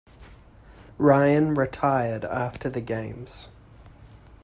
Ryan retired after the games.